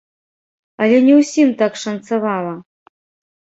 Але не ўсім так шанцавала.